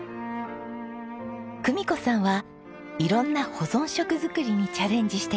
久美子さんは色んな保存食作りにチャレンジしています。